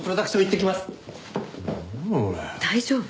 大丈夫？